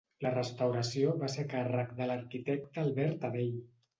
La restauració va ser a càrrec de l'arquitecte Albert Adell.